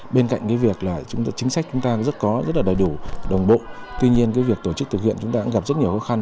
bên cạnh việc chính sách chúng ta rất đầy đủ đồng bộ tuy nhiên việc tổ chức thực hiện chúng ta cũng gặp rất nhiều khó khăn